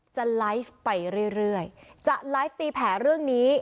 จะไลฟ์ไปเรื่อยจะไลฟ์ตีแผลเรื่องนี้